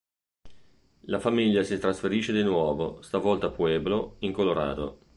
La famiglia si trasferisce di nuovo, stavolta a Pueblo, in Colorado.